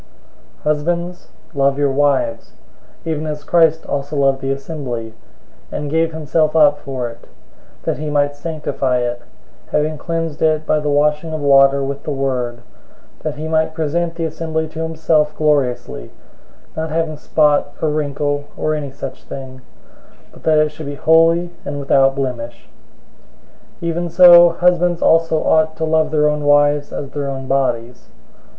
005:025 Husbands, love your wives, even as Christ also loved the assembly, and gave himself up for it; 005:026 that he might sanctify it, having cleansed it by the washing of water with the word, 005:027 that he might present the assembly to himself gloriously, not having spot or wrinkle or any such thing; but that it should be holy and without blemish. 005:028 Even so husbands also ought to love their own wives as their own bodies.